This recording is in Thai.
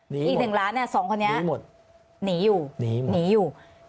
นีหมดอีก๑ล้านสองคนนี้มันนี้อยู่นี้อยู่